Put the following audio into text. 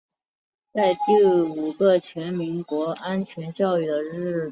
在第五个全民国家安全教育日到来之际